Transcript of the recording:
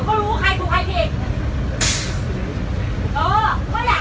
ก็ไม่มีเวลาให้กลับมาที่นี่